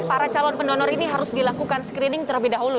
para calon pendonor ini harus dilakukan screening terlebih dahulu